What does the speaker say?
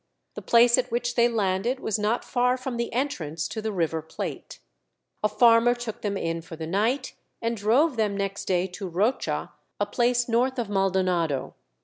The place at which they landed was not far from the entrance to the River Plate. A farmer took them in for the night, and drove them next day to Rocha, a place north of Maldonado.